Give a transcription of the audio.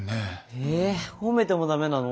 えっ褒めても駄目なの？